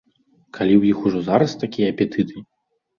Калі ў іх ужо зараз такія апетыты?